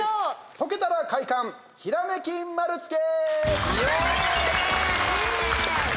解けたら快感ひらめき丸つけ！